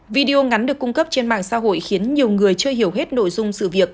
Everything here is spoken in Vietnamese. video ngắn được cung cấp trên mạng xã hội khiến nhiều người chưa hiểu hết nội dung sự việc